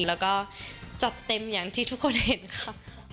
แล้วก็จัดเต็มอย่างที่ทุกคนเห็นค่ะ